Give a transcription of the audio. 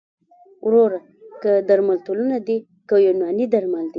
وروره که درملتونونه دي که یوناني درمل دي